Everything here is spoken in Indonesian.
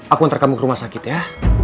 aku antar kamu ke rumah sakit ya